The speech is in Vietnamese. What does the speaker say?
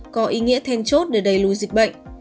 có ý nghĩa then chốt để đẩy lùi dịch bệnh